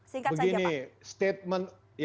singkat saja pak